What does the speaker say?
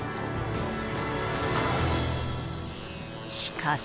しかし。